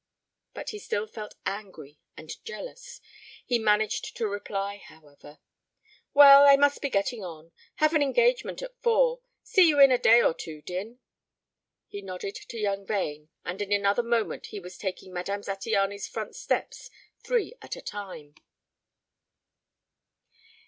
But he still felt angry and jealous. He managed to reply, however: "Well, I must be getting on. Have an engagement at four. See you in a day or two, Din." He nodded to young Vane and in another moment he was taking Madame Zattiany's front steps three at a time.